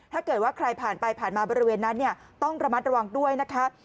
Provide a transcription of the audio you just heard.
ถ้าเกิดว่าใครผ่านไปผ่านมาบริเวณนั้นต้องระมัดระวังด้วยนะคะ